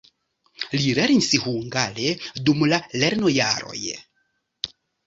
Li lernis hungare dum la lernojaroj.